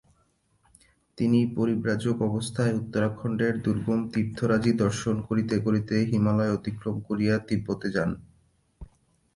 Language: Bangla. তিনি পরিব্রাজক অবস্থায় উত্তরাখণ্ডের দুর্গম তীর্থরাজি দর্শন করিতে করিতে হিমালয় অতিক্রম করিয়া তিব্বতে যান।